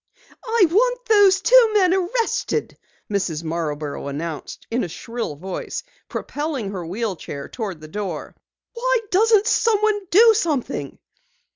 "I want those two men arrested!" Mrs. Marborough announced in a shrill voice, propelling her wheel chair toward the door. "Why doesn't someone do something?"